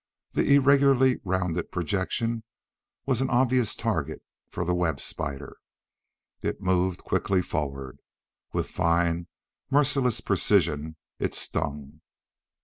The irregularly rounded projection was an obvious target for the web spider. It moved quickly forward. With fine, merciless precision, it stung.